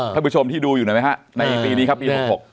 ท่านผู้ชมที่ดูอยู่หน่อยไหมฮะในปีนี้ครับปี๖๖